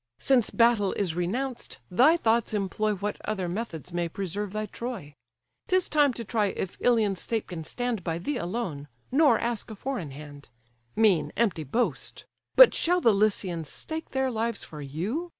Since battle is renounced, thy thoughts employ What other methods may preserve thy Troy: 'Tis time to try if Ilion's state can stand By thee alone, nor ask a foreign hand: Mean, empty boast! but shall the Lycians stake Their lives for you?